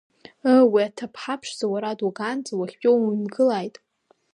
Ыы, уи аҭыԥҳа ԥшӡа уара дугаанӡа, уахьтәоу уҩамгылааит!